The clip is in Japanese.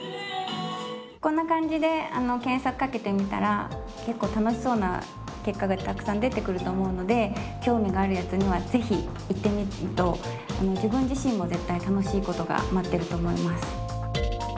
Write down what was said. こんな感じで検索かけてみたら結構楽しそうな結果がたくさん出てくると思うので興味があるやつにはぜひ行ってみると自分自身も絶対楽しいことが待ってると思います。